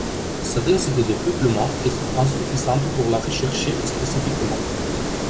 Sa densité de peuplement est insuffisante pour la rechercher spécifiquement.